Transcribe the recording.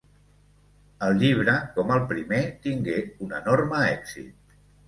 El llibre, com el primer, tingué un enorme èxit.